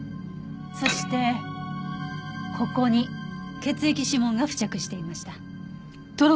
そしてここに血液指紋が付着していました。